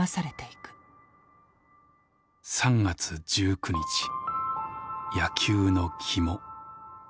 「３月１９日野球の肝。